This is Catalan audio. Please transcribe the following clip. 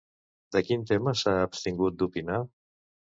De quin tema s'ha abstingut d'opinar?